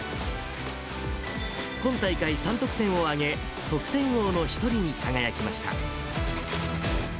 今大会３得点を挙げ、得点王の１人に輝きました。